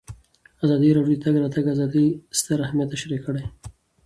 ازادي راډیو د د تګ راتګ ازادي ستر اهميت تشریح کړی.